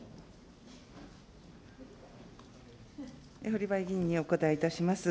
堀場議員にお答えいたします。